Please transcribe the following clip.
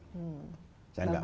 saya enggak mau